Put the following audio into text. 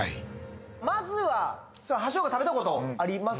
まずは葉生姜食べたことあります？